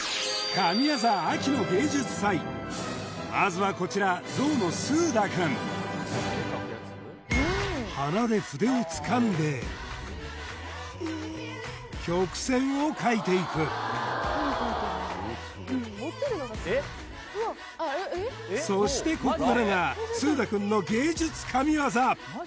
神業秋の芸術祭まずはこちら鼻で筆をつかんで曲線を描いていくそしてここからがスーダ君の芸術神業！